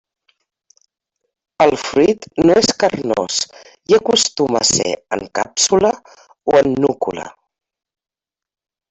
El fruit no és carnós i acostuma a ser en càpsula o en núcula.